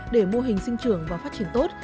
để mô hình sinh trưởng và phát triển tốt